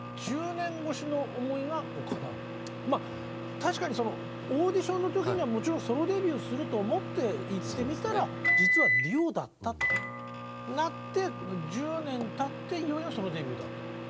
確かにオーディションの時にはもちろんソロデビューすると思って行ってみたら実はデュオだったとなって１０年たっていよいよソロデビューだと。